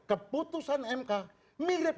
keputusan mk mirip